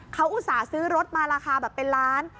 เขาอุตส่าห์ซื้อรถมาราคาแบบเป็นล้าน